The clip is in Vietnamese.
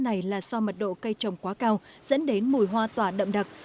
cây hoa sữa này là do mật độ cây trồng quá cao dẫn đến mùi hoa tỏa đậm đặc